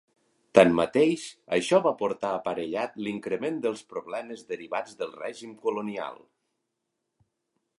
Tanmateix, això va portar aparellat l'increment dels problemes derivats del règim colonial.